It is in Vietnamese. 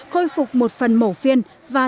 khôi phục một phần mổ phiên